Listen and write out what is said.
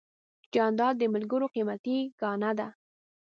جانداد د ملګرو قیمتي ګاڼه ده.